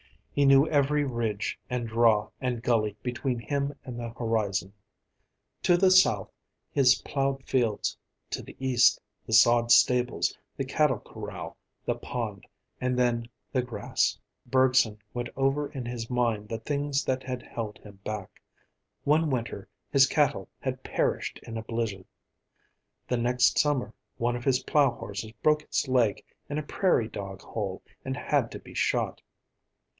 He knew every ridge and draw and gully between him and the horizon. To the south, his plowed fields; to the east, the sod stables, the cattle corral, the pond,—and then the grass. Bergson went over in his mind the things that had held him back. One winter his cattle had perished in a blizzard. The next summer one of his plow horses broke its leg in a prairiedog hole and had to be shot.